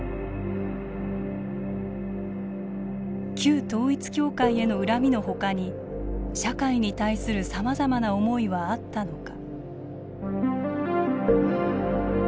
「旧統一教会への恨みのほかに社会に対するさまざまな思いはあったのか」。